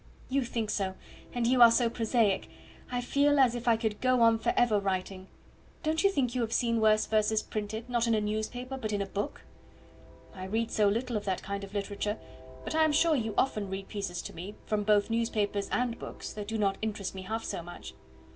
"You think so; and you are so prosaic. I feel as if I could go on for ever writing. Don't you think you have seen worse verses printed, not in a newspaper, but in a book?" "I read so little of that kind of literature; but I am sure you often read pieces to me, from both newspapers and books, that do not interest me half so much."